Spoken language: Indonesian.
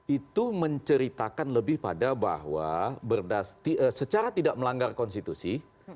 itu menceritakan lebih pada bahwa secara tidak melanggar konstitusi